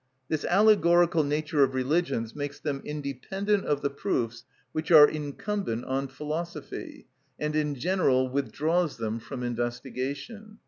This allegorical nature of religions makes them independent of the proofs which are incumbent on philosophy, and in general withdraws them from investigation.